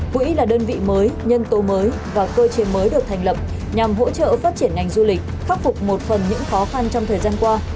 quỹ là đơn vị mới nhân tố mới và cơ chế mới được thành lập nhằm hỗ trợ phát triển ngành du lịch khắc phục một phần những khó khăn trong thời gian qua